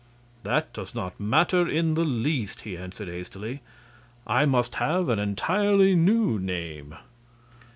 "That does not matter in the least," he answered, hastily. "I must have an entirely new name."